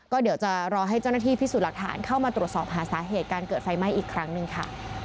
ก็เดี๋ยวจะรอให้เจ้าหน้าที่พิสูจน์หลักฐานเข้ามาตรวจสอบหาสาเหตุการเกิดไฟไหม้อีกครั้งหนึ่งค่ะ